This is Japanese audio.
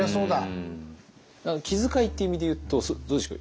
気遣いって意味でいうとどうでしょうか？